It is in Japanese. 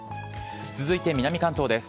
続いて南関東です。